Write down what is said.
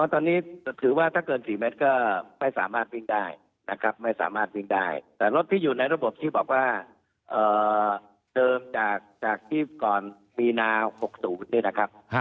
ตอนนี้ถือว่าถ้าเกิน๔เมตรก็ไม่สามารถวิ่งได้นะครับไม่สามารถวิ่งได้แต่รถที่อยู่ในระบบที่บอกว่าเดิมจากที่ก่อนมีนา๖๐เนี่ยนะครับ